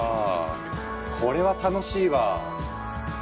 これは楽しいわ。